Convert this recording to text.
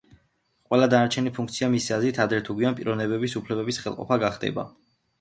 ყველა დანარჩენი ფუნქცია, მისი აზრით, ადრე თუ გვიან პიროვნების უფლებების ხელყოფა გახდება.